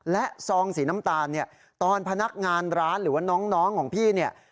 และซองสีน้ำตาลเนี่ยตอนพนักงานร้านหรือว่าน้องของพี่เนี่ย